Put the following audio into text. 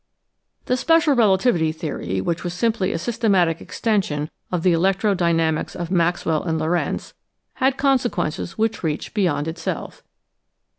The special relativity theory, which was simply a sys tematic extension of the electro dynamics of Maxwell and Lorentz, had consequences which reached beyond itself.